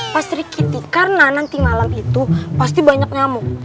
pastri kitty karena nanti malam itu pasti banyak nyamuk